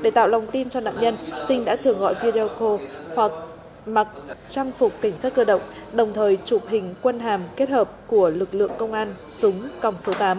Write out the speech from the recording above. để tạo lòng tin cho nạn nhân sinh đã thường gọi video call hoặc mặc trang phục cảnh sát cơ động đồng thời chụp hình quân hàm kết hợp của lực lượng công an súng còng số tám